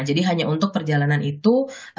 jadi hanya untuk perjalanan itu